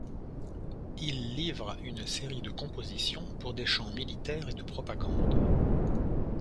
Il livre une série de compositions pour des chants militaires et de propagande.